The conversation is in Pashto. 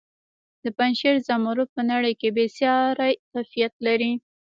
د پنجشیر زمرد په نړۍ کې بې ساري کیفیت لري.